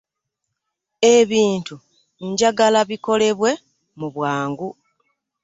Ebintu njagala bikolebwe mu bwangu.